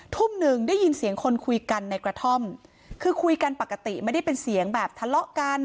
ทุ่มหนึ่งได้ยินเสียงคนคุยกันในกระท่อมคือคุยกันปกติไม่ได้เป็นเสียงแบบทะเลาะกัน